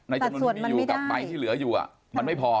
จำนวนที่อยู่กับใบที่เหลืออยู่มันไม่พอ